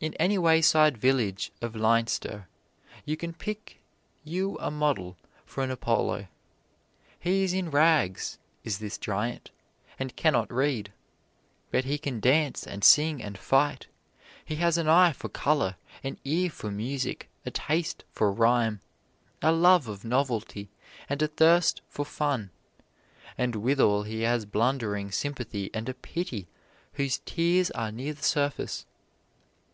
In any wayside village of Leinster you can pick you a model for an Apollo. He is in rags, is this giant, and can not read, but he can dance and sing and fight. He has an eye for color, an ear for music, a taste for rhyme, a love of novelty and a thirst for fun. And withal he has blundering sympathy and a pity whose tears are near the surface.